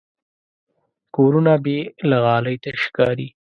کورونه بې له غالۍ تش ښکاري.